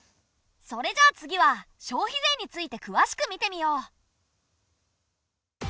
それじゃあ次は消費税についてくわしく見てみよう！